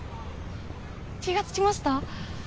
気がつきました？